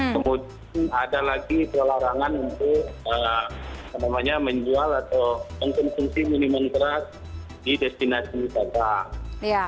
kemudian ada lagi pelarangan untuk menjual atau mengkonsumsi minuman keras di destinasi wisata